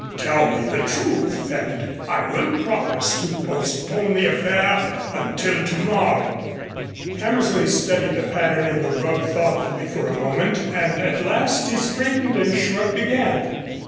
Tell me the truth and I will promise to postpone the affair until tomorrow." Hammersley studied the pattern in the rug thoughtfully for a moment, and at last he straightened and shrugged again.